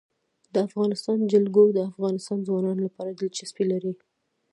د افغانستان جلکو د افغان ځوانانو لپاره دلچسپي لري.